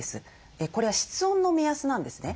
これは室温の目安なんですね。